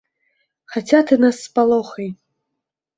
Хаця ты нас спалохай.